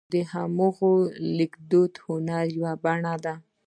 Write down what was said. د هغوی لیکدود د هنر یوه بڼه ده.